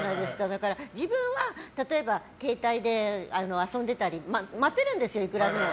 だから、自分は例えば携帯で遊んでたり待てるんですよ、いくらでも。